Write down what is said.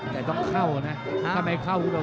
ต้องเข้านะ